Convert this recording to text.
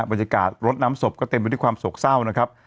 บริการรดน้ำศพก็เต็มไปที่ความศกเศร้านะครับ